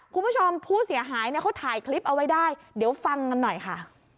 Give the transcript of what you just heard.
คุณผู้ชมผู้เสียหายเนี่ยเขาถ่ายคลิปเอาไว้ได้เดี๋ยวฟังกันหน่อยค่ะ